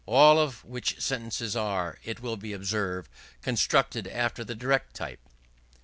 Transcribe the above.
All of which sentences are, it will be observed, constructed after the direct type.